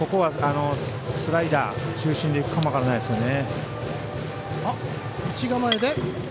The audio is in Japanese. スライダー中心でいくかもしれないですね。